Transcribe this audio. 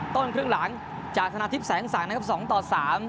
ต้นเครื่องหลังจากธนาทิพย์แสงสั่งนะครับ๒๓